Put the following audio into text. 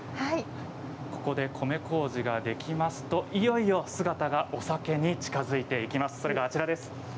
ここで米こうじができますといよいよ姿がお酒に近づいていきます。